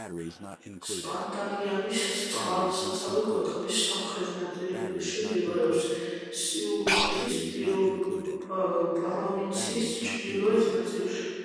სპანდარიანის წყალსაცავი ქვეყნის სამხრეთ ნაწილში მდებარეობს, სიუნიქის პროვინციის ჩრდილოეთ ნაწილში.